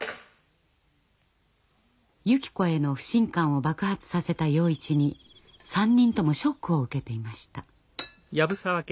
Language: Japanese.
ゆき子への不信感を爆発させた洋一に３人ともショックを受けていました。